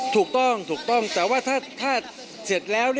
ถูกต้องแต่ว่าถ้าเสร็จแล้ว